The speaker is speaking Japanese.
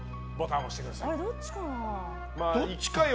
どっちかな。